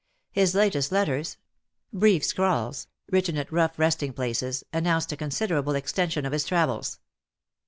His latest letters — brief scrawls, written at rough yesting places — announced a considerable extension of his travels.